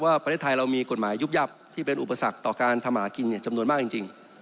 ประเทศไทยเรามีกฎหมายยุบยับที่เป็นอุปสรรคต่อการทำหากินจำนวนมากจริง